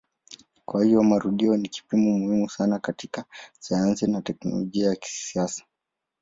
Kwa hiyo marudio ni kipimo muhimu sana katika sayansi na teknolojia ya kisasa.